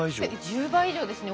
１０倍以上ですね。